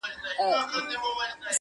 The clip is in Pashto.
ځغلول يې موږكان تر كور او گوره!.